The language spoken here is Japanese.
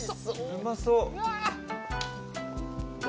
・うまそう！